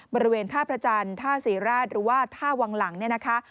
บริเวณท่าประจันทร์ท่าศรีราชหรือว่าท่าวังหลังเนี่ยนะคะ